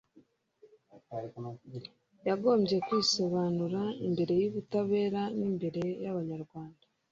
yagombye kwisobanura imbere y'ubutabera n'imbere y'abanyarwanda